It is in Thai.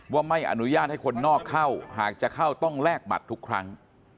ว่าไม่อนุญาตให้คนนอกเข้าหากจะเข้าต้องแลกบัตรทุกครั้ง